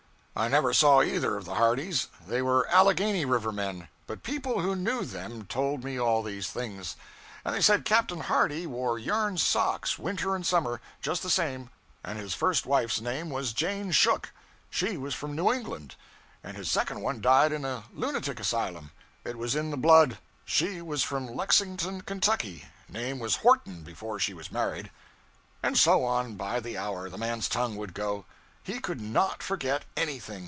I never saw either of the Hardys, they were Alleghany River men, but people who knew them told me all these things. And they said Captain Hardy wore yarn socks winter and summer just the same, and his first wife's name was Jane Shook she was from New England and his second one died in a lunatic asylum. It was in the blood. She was from Lexington, Kentucky. Name was Horton before she was married.' And so on, by the hour, the man's tongue would go. He could _not _forget any thing.